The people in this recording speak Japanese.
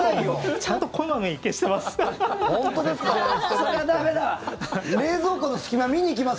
ちゃんと小まめに消してます。